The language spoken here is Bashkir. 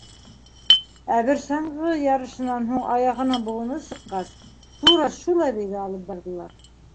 Ә бер саңғы ярышынан һуң аяғының быуыны сыҡҡас, тура шул әбейгә алып барҙылар.